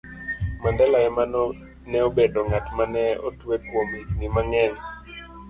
Mandela ema ne obedo ng'at ma ne otwe kuom higini mang'eny